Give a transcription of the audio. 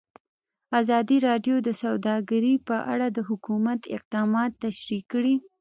ازادي راډیو د سوداګري په اړه د حکومت اقدامات تشریح کړي.